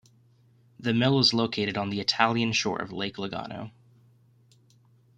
The mill is located on the Italian shore of Lake Lugano.